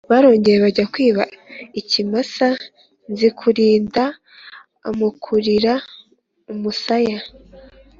Barongera bajya kwiba, ikimasa, Nzikurinda amukurira umusaya